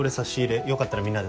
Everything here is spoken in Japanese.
よかったらみんなで食べて。